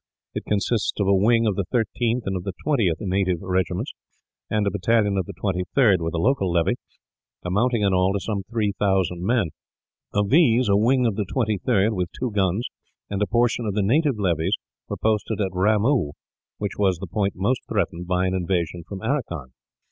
It consisted of a wing of the 13th and of the 20th Native Regiments, and a battalion of the 23rd, with a local levy, amounting in all to some 3000 men. Of these a wing of the 23rd, with two guns, and a portion of the native levies were posted at Ramoo, which was the point most threatened by an invasion from Aracan.